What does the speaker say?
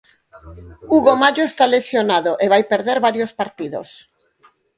Hugo Mallo está lesionado e vai perder varios partidos.